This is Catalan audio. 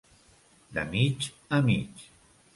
De mig a mig.